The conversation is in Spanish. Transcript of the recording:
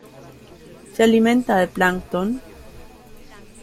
Se alimenta de plancton.